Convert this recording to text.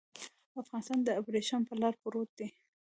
افغانستان د ابريښم پر لار پروت دی.